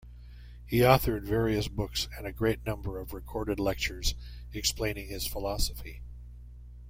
He authored various books and a great number of recorded lectures explaining his philosophy.